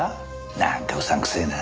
なんかうさんくせえな。